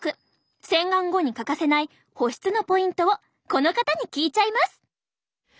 洗顔後に欠かせない保湿のポイントをこの方に聞いちゃいます。